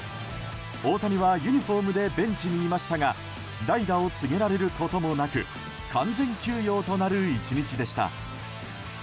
大谷はユニホームでベンチにいましたが代打を告げられることもなく完全休養となる１日でした。